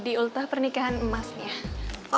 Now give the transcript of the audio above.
di ultah pernikahan emasnya